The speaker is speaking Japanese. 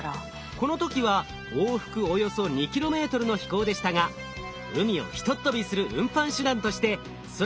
この時は往復およそ２ｋｍの飛行でしたが海をひとっ飛びする運搬手段として空飛ぶクルマの可能性を実証しました。